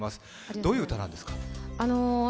どういう歌なんですか？